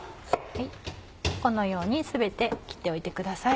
このように全て切っておいてください。